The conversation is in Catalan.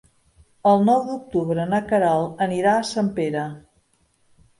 El nou d'octubre na Queralt anirà a Sempere.